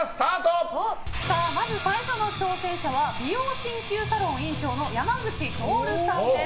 まず最初の挑戦者は美容鍼灸サロン院長の山口透さんです。